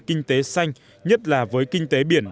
kinh tế xanh nhất là với kinh tế biển